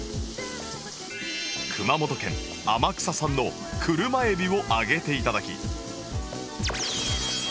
熊本県天草産の車エビを揚げて頂き